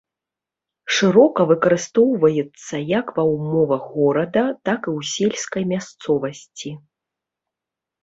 Шырока выкарыстоўваецца як ва ўмовах горада, так і ў сельскай мясцовасці.